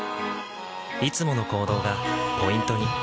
いつもの行動がポイントに。